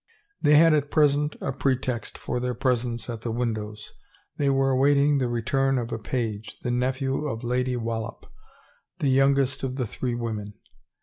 They had at present a pretext for their presence at the windows; they were awaiting the return of a page, the nephew of Lady Wallop, the youngest of the three women.